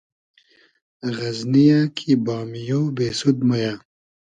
غئزنی یۂ کی بامیۉ , بېسود مۉ یۂ